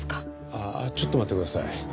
ああちょっと待ってください。